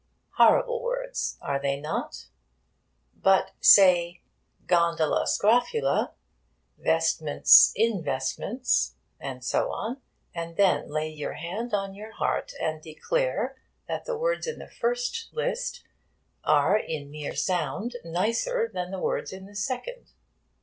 Horrible words, are they not? But say gondola scrofula, vestments investments, and so on; and then lay your hand on your heart, and declare that the words in the first list are in mere sound nicer than the words in the second.